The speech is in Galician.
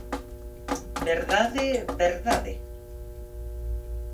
¿Verdade, verdade?